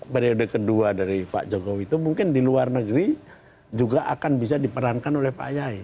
periode kedua dari pak jokowi itu mungkin di luar negeri juga akan bisa diperankan oleh pak yai